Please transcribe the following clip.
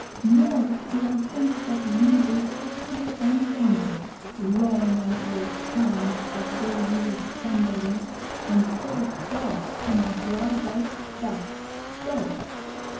Nor do I think that ye will sit here any longer, lolling out your tongues as though ye were somebodies, instead of dogs whom I drive out thus! Go!'